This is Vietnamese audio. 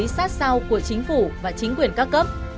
sát sao của chính phủ và chính quyền các cấp